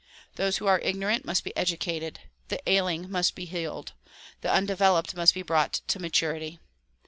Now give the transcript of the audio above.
Those who are ignorant must be educated, the ailing must be healed, the undeveloped must be brought to maturity.